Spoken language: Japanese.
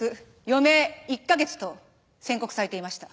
余命１カ月と宣告されていました。